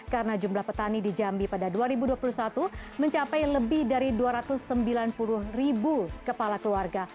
karena jumlah petani di jambi pada dua ribu dua puluh satu mencapai lebih dari dua ratus sembilan puluh ribu kepala keluarga